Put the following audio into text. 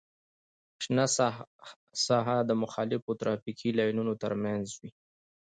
شنه ساحه د مخالفو ترافیکي لاینونو ترمنځ وي